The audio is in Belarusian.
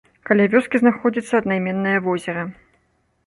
Каля вёскі знаходзіцца аднайменнае возера.